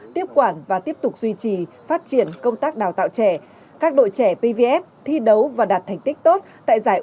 tiếp quản và tiếp tục duy trì phát triển công tác đào tạo trẻ